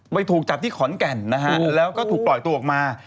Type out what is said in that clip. ถูกจับที่ขอนแก่นนะฮะแล้วก็ถูกปล่อยตัวออกมา